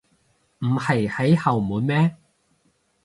唔係喺後門咩？